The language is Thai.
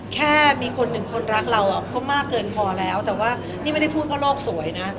แค่มีคนหนึ่งคนรักเราก็มากเกินพอแล้วแต่ว่านี่ไม่ได้พูดเพราะโลกสวยนะ